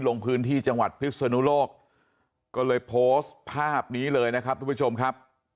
ลงพื้นที่จังหวัดพิศนุโลกก็เลยโพสต์ภาพนี้เลยนะครับทุกผู้ชมครับ